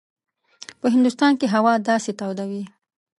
په هندوستان کې هوا داسې توده وي.